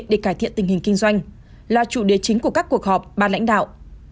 để cải thiện tình hình kinh doanh là chủ đề chính của các cuộc họp ba lãnh đạo